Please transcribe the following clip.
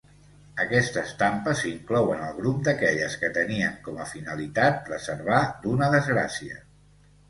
Aquesta estampa s'inclou en el grup d'aquelles que tenien com a finalitat preservar d'una desgràcia.